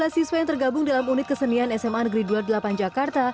dua puluh siswa yang tergabung dalam unit kesenian sma negeri dua puluh delapan jakarta